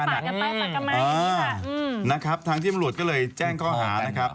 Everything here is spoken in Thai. จริงจริงก็ปากกันไปปากกันมาอย่างนี้ค่ะอืมนะครับทางที่มรวชก็เลยแจ้งก้อหานะครับ